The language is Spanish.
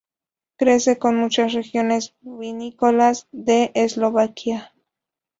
Crece en muchas regiones vinícolas de Eslovaquia.